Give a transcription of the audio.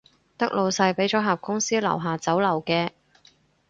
得老細畀咗盒公司樓下酒樓嘅